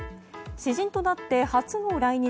私人となって初の来日。